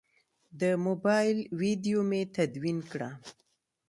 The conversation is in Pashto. د موبایل ویدیو مې تدوین کړه.